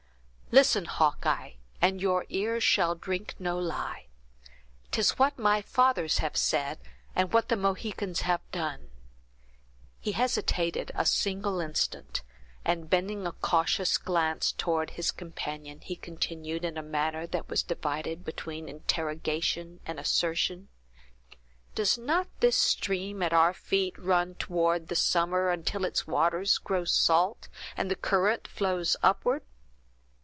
"Listen, Hawkeye, and your ear shall drink no lie. 'Tis what my fathers have said, and what the Mohicans have done." He hesitated a single instant, and bending a cautious glance toward his companion, he continued, in a manner that was divided between interrogation and assertion. "Does not this stream at our feet run toward the summer, until its waters grow salt, and the current flows upward?"